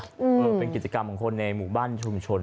เออเป็นกิจกรรมของคนในหมู่บ้านชุมชน